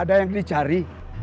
ada yang dicari